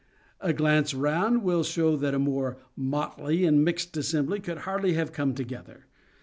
A glance round will show that a more motley and mixed assembly could hardly have come together.